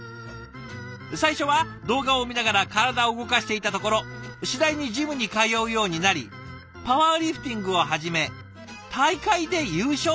最初は動画を見ながら体を動かしていたところ次第にジムに通うようになりパワーリフティングを始め大会で優勝し。